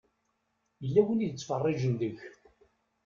Yella win i d-ittfeṛṛiǧen deg-k.